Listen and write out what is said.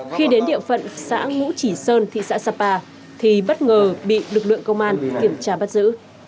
khi đến địa phận xã ngũ chỉ sơn thị xã sapa thì bất ngờ bị lực lượng công an kiểm tra bắt giữ